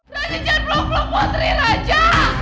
raja jangan blok blok putri raja